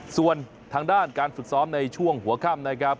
ส่วนทางด้านการฝึกซ้อมในช่วงหัวค่ำนะครับ